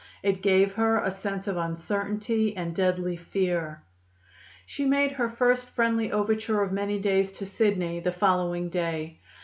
It gave her a sense of uncertainty and deadly fear. She made her first friendly overture of many days to Sidney the following day.